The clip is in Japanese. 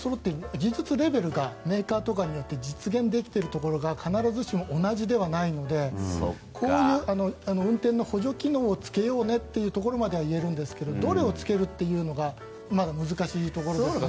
技術レベルがメーカーなどによって実現できているものが必ずしも同じではないので運転の補助機能をつけようねまでは言えるんですがどれをつけるというのがまだ難しいところですね。